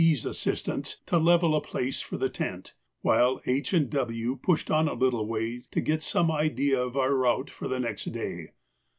's assistance, to level a place for the tent, while H. and W. pushed on a little way to get some idea of our route for the next day.